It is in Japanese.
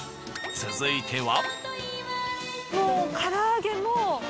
続いては。